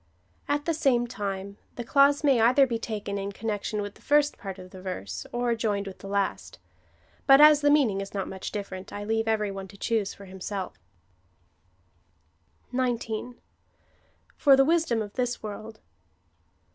At the same time, the clause i may either be taken in con nection with the first part of the verse, or joined witli the last, but as the meaning is not much difierent, I leave every one to choose for himself 19. For the wisdom of this world.